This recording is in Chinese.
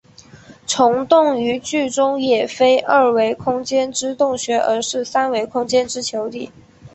虫洞于剧中也非二维空间之洞穴而是三维空间之球体。